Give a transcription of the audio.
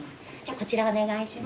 こちらお願いします。